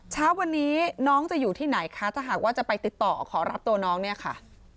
เช้าวันนี้น้องจะอยู่ที่ไหนคะถ้าหากว่าจะไปติดต่อขอรับตัวน้องเนี่ยค่ะ